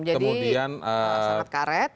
jadi sangat karet